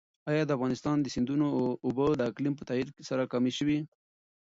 ایا د افغانستان د سیندونو اوبه د اقلیم په تغیر سره کمې شوي؟